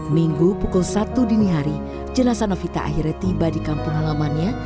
minggu pukul satu dini hari jenazah novita akhirnya tiba di kampung halamannya